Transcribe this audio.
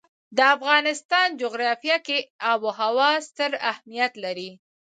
د افغانستان جغرافیه کې آب وهوا ستر اهمیت لري.